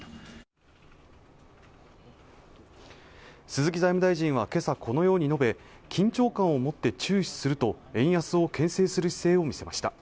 鈴木財務大臣は今朝このように述べ緊張感を持って注視すると円安をけん制する姿勢を見せました